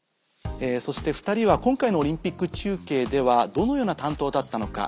そして２人は今回のオリンピック中継ではどのような担当だったのか。